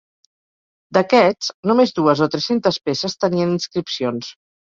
D'aquests, només dues o tres-centes peces tenien inscripcions.